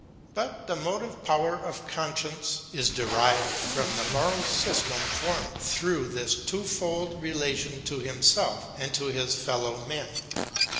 But the motive power of conscience is derived from the moral system formed through this twofold relation to himself and to his fellow men.